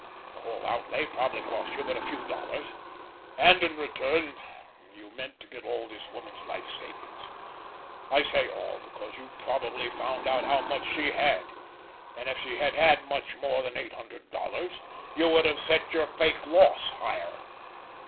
The whole outlay probably cost you but a few dollars—and in return you meant to get all of this woman's life savings. I say all, because you probably found out how much she had, and if she had had much more than eight hundred dollars you would have set your fake loss higher.